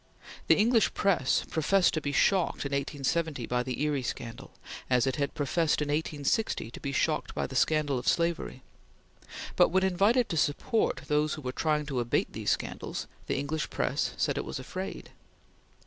The English press professed to be shocked in 1870 by the Erie scandal, as it had professed in 1860 to be shocked by the scandal of slavery, but when invited to support those who were trying to abate these scandals, the English press said it was afraid.